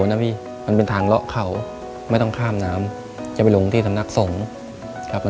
ในแคมเปญพิเศษเกมต่อชีวิตโรงเรียนของหนู